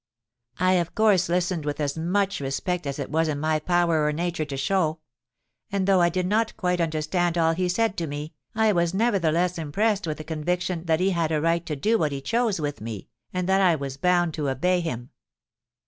I of course listened with as much respect as it was in my power or nature to show; and, though I did not quite understand all he said to me, I was nevertheless impressed with the conviction that he had a right to do what he chose with me, and that I was bound to obey him.